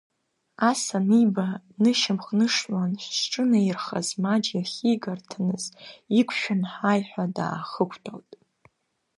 Ас аниба, днышьамхнышлан зҿынаирхаз маџь иахьигарҭаныз иқәшәан, ҳаиҳәа даахықәтәалт.